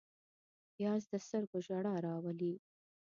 پیاز د سترګو ژړا راولي